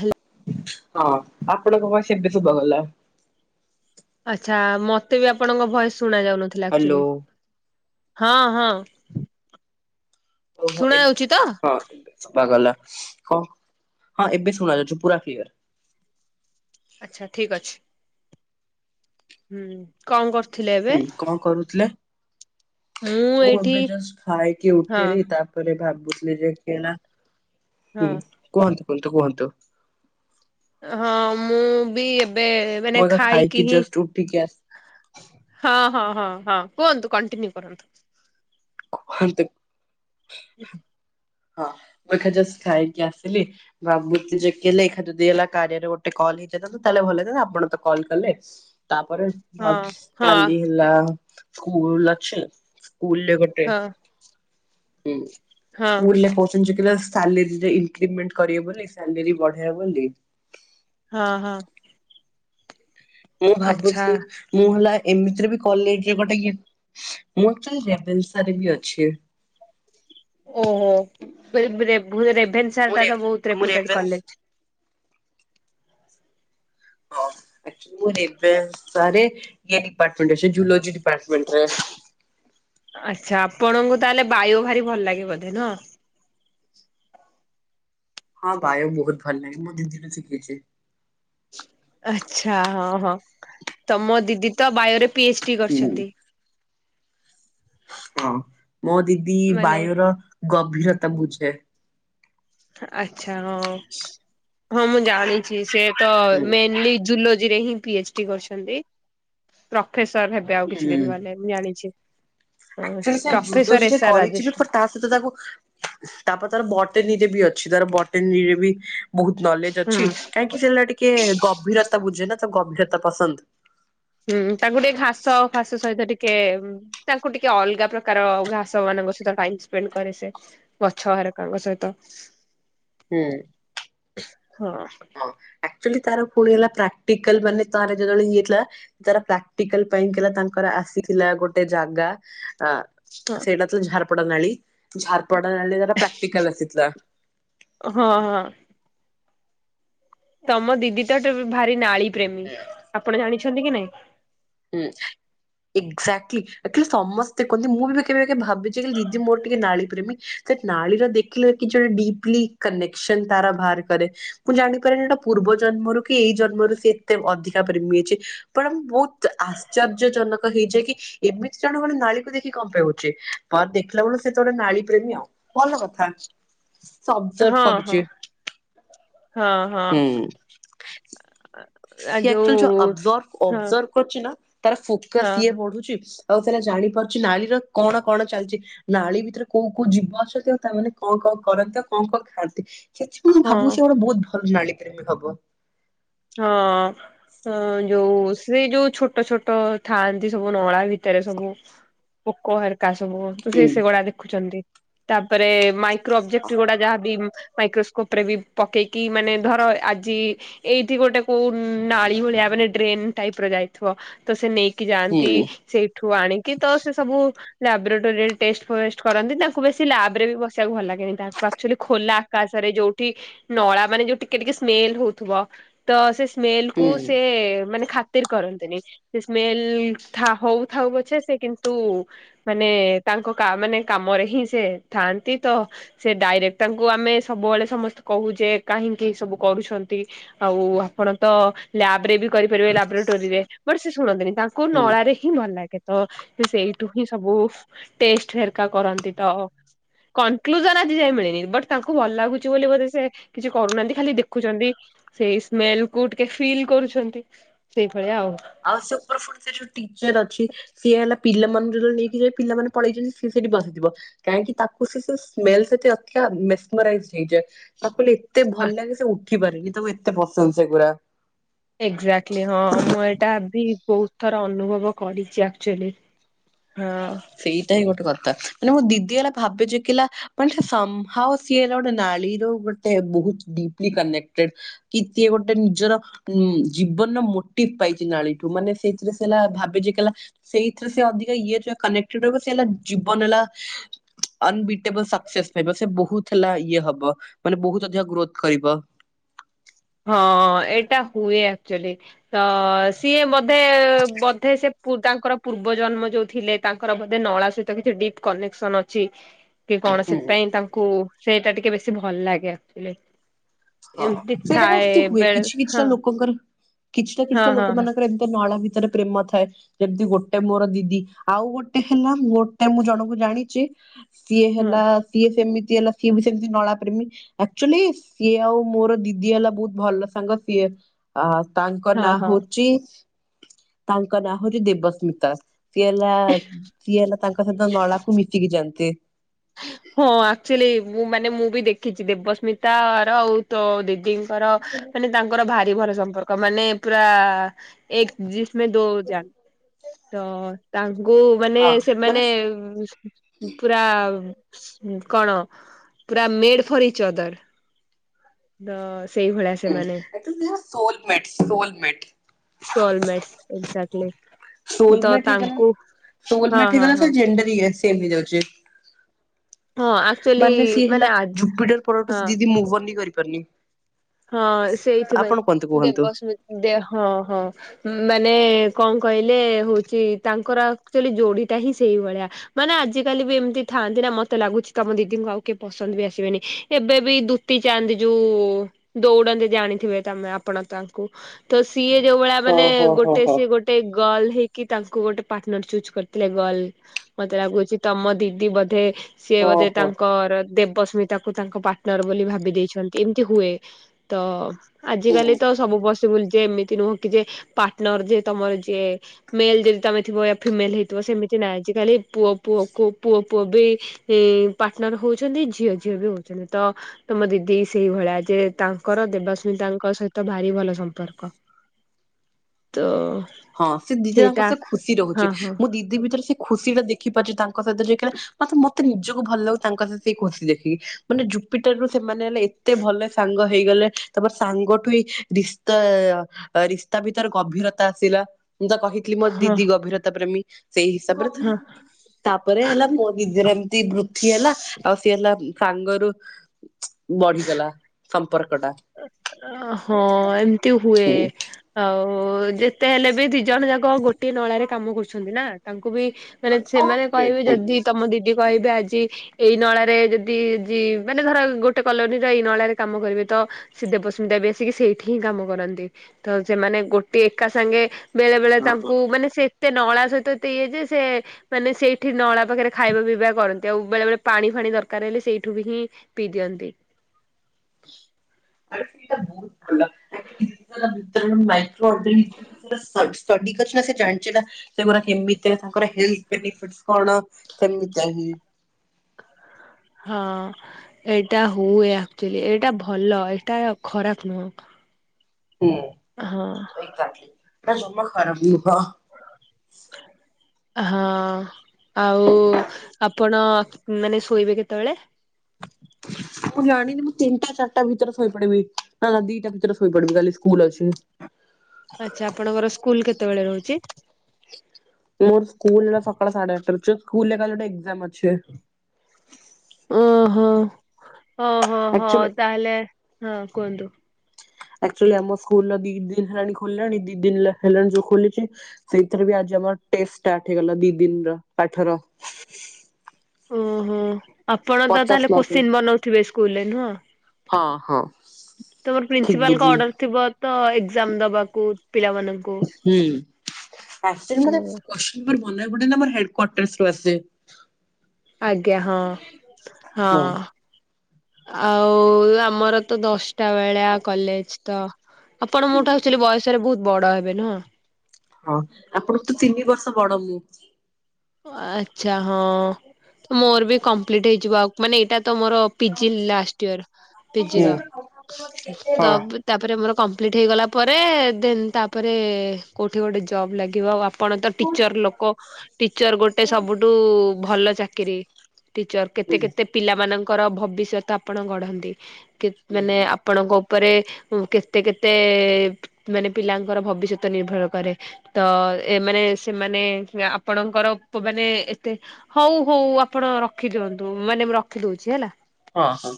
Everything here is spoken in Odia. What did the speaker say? ହେ ହଁ ଆପଣଙ୍କ ଭଏସ ସେବେଶୁଭ ଗଲା। ଆଚ୍ଛା ମତେ ବି ଆପଣଙ୍କ ଭୟସ ଶୁଣା ଯାଉନଥିଲା ହାଲୋ ଆକଚୁଆଲି ହଁ ହଁ। [inaudible] ଓହୋ ଶୁଣା ଯାଉଛି ତ ହଁ। ଗଲା କଣ ହଁ ଏବେ ଶୁଣ ଯାଉଚି ପୁରା କ୍ଲିୟର। ଆଚ୍ଛା ଠିକ ଅଛି। ହୁଁ କଣ କରୁ ହୁଁ କଣ କରୁଥିଲେ? ମୁଁ ଏବେ ଜଷ୍ଟ ଖାଇକି ହଁ ଉଠିଲି, ତାପରେ ଭାବି ବିଲି ଯେ କିଏ ନା ହଁ ହୁଁ କୁହନ୍ତୁ କୁହନ୍ତୁ କୁହନ୍ତୁ। ହଁ ମୁଁ ବି ଏ ଏବେ ମାନେ ମୁଁ ଏକା ଖାଇକି ହିଁ ଜଷ୍ଟ ଉଠିକି ଆସ ହଁ ହଁ ହଁ ହଁ। କୁହନ୍ତୁ କଣ୍ଟିନ୍ୟୁ କରନ୍ତୁ। [unintelligible] ହଁ ମୁଁ ଖାଲି ଜଷ୍ଟ ଖାଇକି ଆସି ଥିଲି ଭାବୁଥିଲି [unintelligible] ଯଦି ହେଲା କାରୟାର ଗୋଟେ କଲ ହେଇଯାଇଥାନ୍ତା ତ ତାହେଲେ ଭଲହେଇଥାନ୍ତା ଆପଣ ତ କଲ୍ କଲେ [unintelligible] ତାପରେ ହଁ ଭାବି ହଁ କାଲି ହେଲା ସ୍କୁଲ ଅଛି। ସ୍କୁଲରେ ଗୋଟେ ହଁ। ହୁଁ ହଁ ସ୍କୁଲରେ କହୁଚନ୍ତି [unintelligible] ସାଲେରୀରେ ଇନକ୍ରିମେଣ୍ଟ କରିବେ ବୋଲି, ସାଲେରୀ ବଢ଼ାଅ ବୋଲି ହଁ ହଁ। ମୁଁ ଆଚ୍ଛା ଭାବୁଥିଲି ମୁଁ ହେଲା ଏମିତିରେ ବି କଲେଜରେ ଗୋଟେ ମୁଁ ଆକଚୁଆଲି ରେଭେନ୍ସାରେ ବି ଅଛି। ଓହୋ। ରେ-ରେଭୁ-ରେଭୁ-ରେଭେନ୍ସା ମୁଁ ରେ ଟାତ ବହୁତ ମୁଁ ରେପୁଟେଡ ରେଭେନ୍ସ କଲେଜ। ହଁ। ଆକଚୁଆଲି ମୋର ରେଭେନ୍ସାରେ ଇଏ ଡିପାର୍ଟମେଣ୍ଟରେ ଅଛି ଜୁଲୋଜି ଡିପାର୍ଟମେଣ୍ଟ ରେ। ଆଚ୍ଛା ଆପଣଙ୍କୁ ତାହେଲେ ବାୟୋ ଭାରି ଭଲ ଲାଗେ ବୋଧେ ନୁହଁ? ହଁ ବାୟୋ ବହୁତ ଭଲ ଲାଗେ ମୁଁ ଦିଦି ଠୁ ଶିଖିଚି। ଆଚ୍ଛା ହଁ ହଁ ତମ ଦିଦି ତ ବାୟୋରେ ପି ଏଚ ଡି ହୁଁ କରିଛନ୍ତି। ହଁ ମୋ ଦିଦି ମାନେ ବାୟୋ ର ଗଭୀରତା ବୁଝେ। ଆଚ୍ଛା। ହଁ ହଁ ମୁଁ ଜାଣିଚି ସେ ତ ହୁଁ ମେନ୍ଲି ଜୁଲୋ ଜିରେ ହିଁ ପି ଏଚ ଡି କରିଛନ୍ତି। ପ୍ରଫେସର ହେବେ ଆଉ କିଛି ଦିନ ଗଲେ ମୁଁ ଜାଣିଛି। ହଁ ଆକଚୁଆଲି ସିନା ପ୍ରଫେସର ଜୁଲୋଜିରେ ଏସ୍ ଆର୍ କରିଛି ବି ରାଜେଶ୍ରୀ। ବଟ ତା ସହିତ ତାକୁ ତାପରେ ତାର ବଟନିରେ ବି ଅ ଛି। ତାର ବଟନି ବି ବହୁତ ନଲେଜ ହୁଁ ଅଛି କାହିଁକି ସେହେଲା ଟିକେ ଗଭୀରତା ବୁଝେ ନା ତା ଗଭୀରତା ପସନ୍ଦ। ହୁଁ ତାକୁ ଟିକେ ଘାସ ଆଉ ଫାସ ସହିତ ଟି ଟିକେ ତାଙ୍କୁ ଟିକେ ଅଲଗା ପ୍ରକାର ଘାସ ମାନଙ୍କ ସହିତ ଟାଇମ ସ୍ପେଣ୍ଡ କରେ ସେ ଗଛ [unintelligible] ଙ୍କ ସହିତ। ହୁଁ। [inaudible] ହଁ ଆକଚୁଲି ତାର ପୁଣି ହେଲା ପ୍ରାକ୍ଟିକାଲ ମାନେ ତ ଯେତେବେଳେ ଇଏ ଥିଲା ତାର ପ୍ରାକ୍ଟିକାଲ ପାଇଁ ହେଲା ତାଙ୍କର ଆସି ଥିଲା ଗୋଟେ ଜାଗା ହଁ। ଅ ସେଇଟା ଥିଲା ଝାରପଡା ନାଳୀ ଝାର ପଢ ଆ ପ୍ରାକ୍ଟିକଲ ଆସିଥିଲା। ହଁ ହଁ ତମ ଦିଦି ତେ ଭାରି ନାଳ ପ୍ରେମୀ ଆପଣ ଜାଣିଛନ୍ତି କି ନାଇଁ? ହୁଁ। ଏକ୍ଜାକ୍ଟଲିଚଲି ସମସ୍ତେ କୁହନ୍ତି ମୁଁ ବି କେବେ କେ ଭାବିଛି ଦିଦି ମୋର ଟିକେ ନାଳି ପ୍ରେମୀ ମତେ ନଳୀର ଦେଖିଲେ କିଛି ଡିପ୍ଲି କନେସନ ତାର ବାହାର କରେ ମୁଁ ଜାଣିପାରେନି ପୂବ ମ ଜନ୍ମରୁ କି ଏଇ ଜନ୍ମରୁ ସିଏ ଏତେ ଅଧିକା ପରେ ହେଇଚି ବଟ ଆମେ ବହୁ ଆଶ୍ଚର୍ଯ୍ୟ ଜନକ ହେଇଯାଇଏ। କି ଏମିତି ଜଣ ଗେ ନାଳକୁ ଦେଖି କମ ପାଉଛେ ପ ଦେଖିଲା ବେଳ ସେତ ଗୋଟେ ନଳୀ ପ୍ରେମୀ ଆଉ ଭଲ କଥା ସବଜବ ହଁ ହଁ କରୁଚି। ହଁ ହଁ। ଆ ସିଏ ଯୋଉ ଆବଜର୍ଭ ହଁ ଅବଜର୍ବ କରଛି ନା ତାର ଫୋକସ ଇଏ ହଁ ବଢୁଚି ଆଉ ସେଟ ଜାଣିପାରୁଚ ନାଳୀର କଣ କଣ ଚାଲିଛି ନାଳ ଭିତରେ କୋଉ କୋଉ ଯିବ ଅଛନ୍ତି ଆଉ ତାମାନେ କଣ କଣ କରନ୍ତି କଣ କଣ ଖାଆନ୍ତି ସେଥିପାଇଁ ମୁଁ ହଁ। ଭାବୁଛି ଗୋଟେ ବହୁତ ଭଲ ନାଳୀ ପ୍ରେମୀ ହବ। ହଁ ଯୋଉ ସେ ଯୋଉ ଛୋଟ ଛୋଟ ଥାଆନ୍ତି ସବୁ ନଳା ଭି ଭିତରେ ସବୁ ପୋକ ହେରକା ସବୁ ତ ସେ ହୁଁ ସେଗୁଡା ଦେଖୁଛନ୍ତି। ତାପରେ ମାଇକ୍ରୋ ଅବଜେକ୍ଟ ଗୁଡା ଯାହାବି ମାଇକ୍ରୋସ୍କୋପ ରେ ବି ପକେଇକି ମାନେ ଧର ଆଜି ଏଇଠି ଗୋଟେ କୋଉ ନାଳ ଭଳିଆ ମାନେ ଡ୍ରେନ୍ ଟାଇପ ର ଯାଇଥିବ ତ ସେ ନେଇକି କି ଯାଆନ୍ତି ହୁଁ ସେଇଠୁ ଆଣିକି ତ ସେ ସବୁ ଲାବୋରେଟୋରୀରେ ଟେଷ୍ଟ ଫଷ୍ଟ କରନ୍ତି ତାଙ୍କୁ ବେଶୀ ଲବ୍ରରେ ବି ବସିବାକୁ ଭଲ ଲାଗେନି ତାଙ୍କୁ ଆକ୍ଚୁଆଲି ଖୋଲା ଆକାଶ ଯୋଉଠି ନଳା ମାନେ ଯୋଉ ଟିକେ ଟିକେ ସ୍ମେଲ ହୋଉଥିବ। ତ ସେ ସ୍ମେଲ କୁ ହୁଁ ସେ ମାନେ ଖା ଖାତିର କରନ୍ତିନି ସେ ସ୍ମେଲ ହଉଥାଉ ପଛେ ସେ କିନ୍ତୁ ମାନେ ମାନେ କାମରେ ହିଁ ସେ ଥାନ୍ତି ତ ସେ ଡାଇରେକ୍ଟ ତାଙ୍କୁ ଆମେ ସବୁବେଳେ ସମସ୍ତେ କହୁଛ କାହିଁକି ସବୁ କରୁଛନ୍ତି। ଆଉ ଆପଣ ତ ଲ୍ୟାବ ରେ ବି କରିପାରିବେ ଲାବୋରେଟୋରୀରେ ମୋରେ ସେ ଶୁଣନ୍ତିନି ତାଙ୍କୁ ହୁଁ ନଳାରେ ହିଁ ଭଲ ଲାଗେ। ତ ସେ ସେଇଠୁ ହିଁ ସବୁ ଟେଷ୍ଟ ଫରକା କରନ୍ତି ତ। କନକ୍ଲୁଜନ ଆଜି ଯାଇ ମିଳିନି ବଟ ତାଙ୍କୁ ଭଲ ଲାଗୁଛି ବୋଲି ବୋଧେ ସେ କିଛି କରୁନାହାନ୍ତି ଖାଲି ଦେଖୁଛନ୍ତି। ସେଇ ସ୍ମେଲ କୁ ଟିକେ ଫିଲ୍ କରୁଛନ୍ତି ସେଇଭଳିଆ ଆଉ। ଆଉ ସେ ଉପର ସେ ଯୋଉ ଟିଚର ଅଛି ସିଏ ହେଲା ପିଲାମାନଙ୍କୁ ଯ ନେଇକି ଯାଇ ପିଲାମାନେ ପଳେଇଛନ୍ତି ସେଠି ବସିଥିବ କାହିଁକି ତାକୁ ସେ ସ୍ମେଲ ସେତି ଅଧିକାଇ ମେଶ୍ମଲାଇଜ ହେଇଯାଏ। ତାକୁ କହିଲଲେ ଏତେ ଭଲ ଲାଗେ ସେ ଉଠି ପାରେନି ତାକୁ ଏତେ ପସନ୍ଦ ସେଗୁରା। ଏକ୍ଜାକ୍ଟଲି ହଁ ମୁଁ ଏଇଟା ବହୁତ ଥର ଅନୁଭବ କରିଛି ଆକ୍ଚୁଆଲି ହଁ ସେଇଟା ହିଁ ଗୋଟେ କ ମାନେ ମୋ ଦିଦି ହେଲା ଭାବେ ଯେ କିଲା ମାନେ ସେ ସମ୍ଭଓ ସିଏ ହେଲା ଗୋଟେ ନଳୀରୁ ଗୋଟେ ଡିପଲି କନେକ୍ଟେଡ୍ କି କିଏ ଗୋଟେ ନିଜର ଉଁ ଜୀବନ ମୋଟିଭ ପାଇଚି ନା ନାଳୀଠୁ ମାନେ ସେଥିରେ ସିଏ ଭାବିଚି କଲା ସେଇଥିରେଧିକ ଇଏ କନେ ସେ ହେଲା ଜୀବ ନେଲା ଅନ୍ ବିଟେବଲ ସକ୍ସେସ୍ ପାଇ ସେ ବହୁତ ହେଲା ଇଏ ହବ ମାନେ ବହୁତ ଅଧିକ ଗ୍ରୋଥ କରିବ। ହଁ ଏଇଟା ହୁଏ ଆକ୍ଚୁଆଲି ତ ସିଏ ବୋଧେ, ବୋଧେ ସେ ତାଙ୍କର ପୂର୍ବ ଜନ୍ମ ଯୋଉ ଥିଲେ ତାଙ୍କର ବୋଧେ ନଳା ସହିତ କିଛି ଡିପ୍ କନେକ୍ସନ ଅଛି। କି କଣ? ହୁଁ ସେଥିପାଇଁ ତାଙ୍କୁ ସେଇଟା ଟିକେ ବେଶୀ ଭଲ ଲାଗେ, ଆଚୁଲି ହଁ ସେଇଟା ବି ଏମତି ହୁଏ, କିଛି କିଛିଟା ହଁ ଲୋକଙ୍କର କିଛିଟା ହଁ କିଛିଟା ହଁ ଲୋକ ମାନଙ୍କର ଏମିତି ନଳ ଭ ଭିତରେ ପ୍ରେମ ଥାଏ, ଯେମିତି ଗୋଟେ ମୋର ଦିଦି ଆଉ ଗୋଟେ ହେଲା ଗୋଟେ ମୁଁ ଜଣଙ୍କୁ ଜାଣିଛି ସିଏ ହଁ ହଁ ହେଲା, ସିଏ ସେମିତି ହେଲା ସିଏ ବି ସେମିତି ନଳା ପ୍ରେମୀ, ଆକ୍ଚୁଆଲି ସିଏ ଆଉ ମୋର ଦିଦି ହେଲା ବହୁତ ଭଲ ସାଙ୍ଗ ସିଏ ଅ ତାଙ୍କ ନାଁ ହଁ ହଁ। ହଉଛି ତାଙ୍କ ନାଁ ହଉଛି ଦେବସ୍ମିତା, ସିଏ ହେଲା ସିଏ ହେଲା ତାଙ୍କ ସହିତ ନଳା କୁ ମିଶିକି ଯାଆନ୍ତେ। ହଁ ଆଚୁଅଲି ମୁଁ ମାନେ, ମୁଁ ବି ଦେଖିଛି, ଦେବସ୍ମିତା ର ଆଉ ତୋ ଦିଦି ର ମାନେ ତାଙ୍କର ଭାରି ଭଲ ସମ୍ପର୍କ ମାନେ ପୁରା ଏକ ଆମେ ଦେହାନ୍ତ ତ [unintelligible] ଗୋଉ ମାନେ, ହଁ ସେମାନେ ମାନେ ପୁରା କଣ ପୁରା ମେଢ ଫରି ଚଦର ହୁଁ ଏ soul mate, soul mate soul mate, ଏକ୍ ଯାମେନ୍ ସୋଲ୍ ମେଟ୍ ହେଇଗଲା, ହୋଲ୍ ହଁ ମେଟ୍ ହଁ ହେଇଗଲାତ ହଁ ଜେଣ୍ଡେ ରିଏସ୍ ସେବ୍ ହେଇଯାଉଛି। ହଁ ଆକ୍ଚୁଆଲି ମାନେ ସିଏ ହେଲା ଆ ଜୁପିଟର ପୁ ହଁ ଯିଦି ମୁଁନି କରିପାରୁନି। ହଁ ସେଇଥିପାଇଁ, ଆପଣ କୁହନ୍ତୁ କୁହନ୍ତୁ। ଦେବମ ଦେ ହଁ ହଁ ମାନେ କଣ କହିଲେ ହଉଛି ତାଙ୍କର ଆଚୁଅଲି ଯୋଡିଟା ହିଁ ସେଇଭଳିଆ, ମାନେଆ ଆଜି କାଲି ବି ଏମିତି ଥାଆନ୍ତି ନା, ମତେ ଲାଗୁଛି ତମ ଦିଦିଙ୍କୁ ଆଉ କେ ପସନ୍ଦ ବି ଆସିବେନି, ଏବେ ବି ଦୁତି ଚା ଯଉ ଦୋଉଡନ୍ତି ଜାଣିଥିବେ ତମେ ଆପଣ ତାଙ୍କୁ ତ ସେ ସିଏ ଯୋଉ ଭଳି ହଁ ମାନେ ହଁ ହଁ ଗୋଟେ, ହଁ ସିଏ ଗୋଟେ ଗଲ ହେଇକି, ତାଙ୍କୁ ଗୋଟେ ପାର୍ଟନର ଚୁଜ୍ କରିଥିଲେ ଗର୍ଲ, ମତେ ଲାଗୁଛି ତମ ଦିଦି ବୋଧେ ସିଏ ହଁ ବୋଧେ ହଁ ତାଙ୍କର ଦେବସ୍ମିତା କ ତାଙ୍କ ପାର୍ଟନର ବୋଲି ଭାବି ଦେଇଛନ୍ତି ଏମିତି ହୁଏ। ତ ଆଜିକାଲି ହୁଁ। ତ ସବୁ ବ ଏମିତି ନୁହ କି ଯେ ପାର୍ଟନର ଯିଏ ତମର ଯିଏ ମେଲ ଯଦି ତମେ ଥିବ ଫିମେଲ ହେଇଥିବ। ସେମିତି ନାହିଁ ଆଜିକାଲି ପୁଅ ପୁଅକୁ ପୁଅ ପୁଅ ବି ପାର୍ଟନର ହଉଛନ୍ତି ଝିଅ ଝିଅ ବି ହଉଛନ୍ତି, ତ ତମ ଦିଦି ସେଇଭଳିଆ ଯେ ତାଙ୍କର ଦେବାସ୍ମିତାଙ୍କ ସହିତ ଭାରି ଭଲ ସମ୍ପର୍କ ତ ହଁ ସେ ଦିଦେ ତାଙ୍କ ସେଇଟା ସହ ଖୁସି ରହୁଛି, ହଁ ହଁ ମୁଁ ଦିଦି ଭିତରେ ସେ ଖୁସି ଟା ଦେଖିପାରୁଛି ତାଙ୍କ ସହିତ ଯ [unintelligible] ଖ ନମେ ମତେ ନିଜକୁ ଭଲ ଲାଗୁ ତାଙ୍କ ସହିତ ସେଇ ଖୁସି ଦେଖିକି ମାନେ ଯେଉ ପିଟର ରୁ ସେମାନେ ହେଲେ ଏତେ ଭଲ ସାଙ୍ଗ। ହେଇଗଲେ, ତମର ସାଙ୍ଗଠୁ ହ ରିସ୍ତା ରିସ୍ତା ଭିତରେ ଗଭୀରତା। ଆସିଲା ମୁଁ ତା କହିଥିଲି, ମୋ ହଁ ଦିଦି ଗଭୀରତା ପ୍ରେମୀ। ସେଇ ହିସାବରେ, ତାପରେ ହେଲା ମୋ ନିଜର ଏମତି ବୃଦ୍ତି ହଁ। ହେଲା ଆଉ ସିଏ ହେଲା। ସାଙ୍ଗରୁ ବଢିଗଲା। ସମ୍ପର୍କ ଟା। ହଁ ଏମତି ହୁଏ ଆଉ ଓ ଯେତେ ହେଲେ ବି ଦିଜଣ ଯାକ ଗୋଟେ ଗୋଟିଏ ନଳାରେ କାମ କରୁଛନ୍ତି ନା ତାଙ୍କୁ ବି ମାନେ ସେମାନେ କହିବେ ଯଦି ତମ ଦିଦି କହିବେ ଆଜି ଏଇ ନଳାରେ ଯଦି ଯି, ମାନେ ଧର ଗୋଟେ କଲୋନୀ ଇନଳାରେ କାମ କରିବେ। ତ ସେ ଦେବସ୍ମୀତାବି ଆସିକି ସେଇଠି ହିଁ କାମ କରନ୍ତି, ତ ସେମାନେ ଗୋଟଏ ଏକା ସାଙ୍ଗେ ବେଳେ ବେଳେ ତାଙ୍କୁ ମାନେ ସେ ସେ ନଳା ସହିତ ଏତେ ଇଏ ଯେ, ସେ ମାନେ ସେଇଠି ନଳା ପାଖରେ ଖାଇବା ପିଇବା କରନ୍ତି ଆଉ ବେଳେ ବେଳେ ପାଣି ଫା ପାଣି ଦରକାର ହେଲେ ସେଇଠୁ ବି ହିଁ ପିଇ ଦିଅନ୍ତି। [inaudible] [unintelligible] ଚଡି କରିଚନା ସେ ଯାଚନା ତାଙ୍କର ହେଲ୍ ପେଟି ଫେସ୍ କଣ [unintelligible] [unintelligible] ହଁ ଏଇଟା ହୁଏ ଆଚୋଲି ଏଇଟା ଭ ଭଲ ଏଇଟା ଖରାପ ନୁହଁ। ହୁଁ ହଁ ସେଇ ଏଇଟା ଯମା ଖରାବ ନୁହଁ ହଁ ଆଉ ଆପଣ ମାନେ ଶୋଇବେ କେତେବେଳେ [unintelligible] ମୁଁ ଜଣିନି ମୁଁ ତିନିଟା ଚାରିଟା ଭିତରେ ଶୋଇପଡିବି ନା ଦିଟା ଭିତରେ ଶୋଇ ପଡିବି କାଲି ସ୍କୁଲ ଅଛି। ଆଚ୍ଛା ଆପଣଙ୍କର ସ୍କୁଲ କେତେବେଳେ ରହୁଛି? ମୋର ସ୍କୁଲ୍ ସକାଳ ସାଢେ ଆଠ ର ସ୍କୁଲ୍ ରେ କାଲି ଗୋଟେ ଏକ୍ସମ୍ ଅଛି। ଓ ହୋ। ଓହୋ ହଉ ଆକ୍ଚୁଆଲି ତାହଲେ ହଁ କୁହନ୍ତୁ? ଆଚୁଆଲି ଆମ ସ୍କୁଲ ଦି ଦିନ ହେଲାଣି ଖୋଲିଲାଣି ଦି ଦିନ ହେଲାଣି ଯୋଉ ଖୋଲିଛି ସେଇଥିରେ ବି ଆଜି ଆମ ଟେଷ୍ଟେ ଷ୍ଅଟେ ହେଇଗଲା ଦି ଦିନର ପାଠର। ଓହୋ ଆପଣ ଦ ପଚାଶ ତାହେଲେ ମାର୍କିଂ। କୋଶିନ ବନଉଥିବେ ସ୍କୁଲରେ ନୁହଁ? ହଁ ହଁ ତମର ଠିକ ପ୍ରିନ୍ସିପାଲଙ୍କ ବୁଝିଲୁ ଅର୍ଡର ଥିବ ତ ଏକ୍ଜାମ ଦବାକୁ ପିଲାମାନଙ୍କୁ। ହୁଁ ଫାଟାଇମିରେ ହଁ କୋଉ ଚି ଗୋଟେ ଆମର ହେଡ କଟର ରୁ ଆସେ। ଆଜ୍ଞା ହଁ ହଁ। ଆଉ ଆମର ତ ଦଶଟା ବେଳିଆ କଲେଜ ତ ଆପଣ ମୋଠୁ ଆଚ ବୟସରେ ବହୁତ ବଡ ହେବେ ନା? ହଁ ଆପଣ ତୁ ତିନି ବର୍ଷ ବଡ ମୁଁ। ଆଚଛା ହଁ ତ ମୋର ବି କମ୍ପ୍ଲିଟ ହେଇଯିବ ଆଉ ମାନେ ଏଇଟା ତ ମୋର ପିଜି ଲାଷ୍ଟ ଇୟର ହୁଁ ପିଜିର ହଁ। ତାପରେର ମୋର କପ୍ଲିଟ୍ ହେଇଗଲା ପରେ ଦେନ୍ ତାପରେ କେଉଁଠି ଗୋଟେ ଜବ୍ ଲାଗିବ। ଆପଣ ତ ଟିଚର ଲୋକ ଟିଚର ଗୋଟେ ସବୁଠୁ ଭଲ ଚାକିରିୀ। ଟିଚର କେତେ କେତେ ପିଲା ମାନଙ୍କର ଭବିଷ୍ୟତ ଆପଣ ଗଢନ୍ତି। ମାନେ ଆପଣଙ୍କ ଉପରେ କେତେ କେତେ ମାନେ ପିଲାଙ୍କର ଭବିଷ୍ୟତ ନିର୍ଭର କରେ ତ ମାନେ ସେମାନେ ଆପଣଙ୍କର ମାନେ ଏତେ ହଉ ହଉ ଆପଣ ରଖିଦିଅନ୍ତୁ ମାନେ ମୁ ରଖିଦଉଛି ହେଲା। ହଁ ହଁ।